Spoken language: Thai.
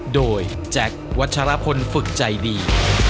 โดยแจ็ควัชรพลฝึกใจดี